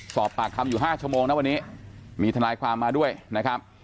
สอบปากคำอยู่๕ชั่วโมงนะวันนี้มีทนายความมาด้วยนะครับ